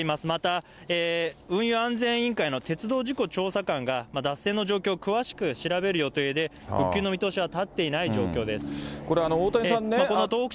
また運輸安全委員会の鉄道事故調査官が脱線の状況を詳しく調べる予定で、復旧の見通しは立っていない状況です。